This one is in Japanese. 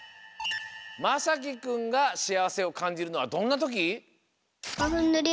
まさきくんがしあわせをかんじるのはどんなとき？